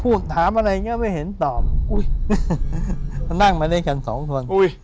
พูดถามอะไรก็ไม่เห็นตอบนั่งมาเลี้ยงกันสองคน